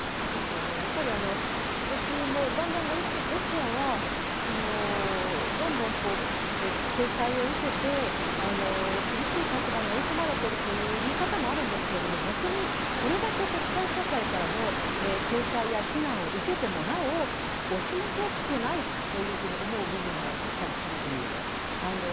やっぱり私も、だんだんロシアはどんどん制裁を受けて、厳しい立場に追い込まれているという見方もあるんですが逆にこれだけ国際社会からの制裁や非難を受けても、なお押し負けていないと思う部分もあったりするんですね。